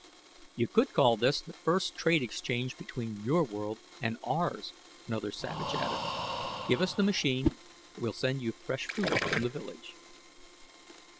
"You could call this the first trade exchange between your world and ours," another savage added. "Give us the machine; we'll send you fresh food from the village."